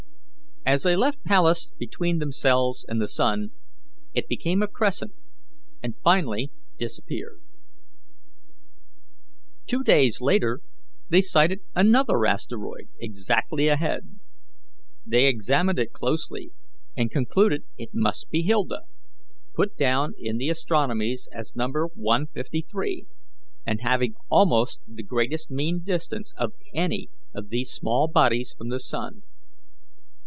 As they left Pallas between themselves and the sun, it became a crescent and finally disappeared. Two days later they sighted another asteroid exactly ahead. They examined it closely, and concluded it must be Hilda, put down in the astronomies as No. 153, and having almost the greatest mean distance of any of these small bodies from the sun.